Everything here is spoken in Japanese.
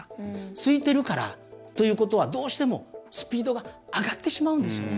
空いてるからということはどうしてもスピードが上がってしまうんですよね。